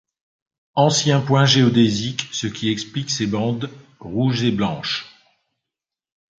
Ancien point géodésique ce qui explique ses bandes rouges et blanches.